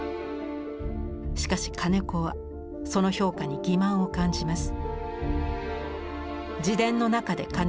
しかし金子はその評価に欺まんを感じます。